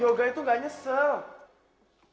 yoga itu gak nyesel